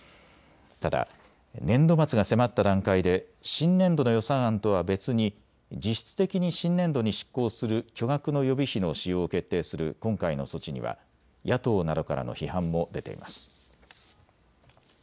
ただ年度末が迫った段階で新年度の予算案とは別に実質的に新年度に執行する巨額の予備費の使用を決定する今回の措置には野党などからの批判も出ています。